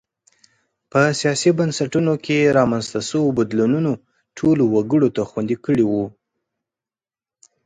په سیاسي بنسټونو کې رامنځته شویو بدلونونو ټولو وګړو ته خوندي کړي وو.